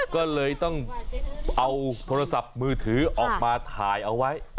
ก็เลยต้องเอาโทรศัพท์มือถือออกมาถ่ายเอาไว้